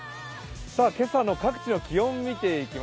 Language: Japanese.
今朝の各地の気温を見ていきます。